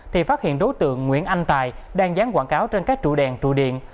thì phát hiện đối tượng nguyễn anh tài đang dán quảng cáo trên các trụ đèn trụ điện